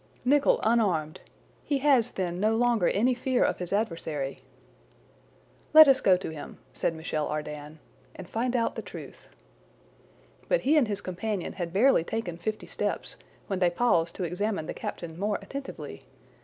"Nicholl unarmed! He has, then, no longer any fear of his adversary!" "Let us go to him," said Michel Ardan, "and find out the truth." But he and his companion had barely taken fifty steps, when they paused to examine the captain more attentively.